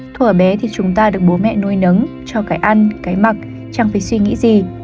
thua bé thì chúng ta được bố mẹ nuôi nấng cho cái ăn cái mặc trang phải suy nghĩ gì